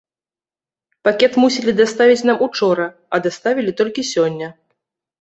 Пакет мусілі даставіць нам учора, а даставілі толькі сёння.